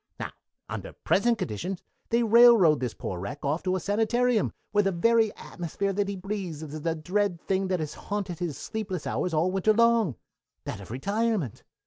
"Now, under present conditions they railroad this poor wreck off to a sanitarium, where the very atmosphere that he breathes is the dread thing that has haunted his sleepless hours all winter long that of retirement.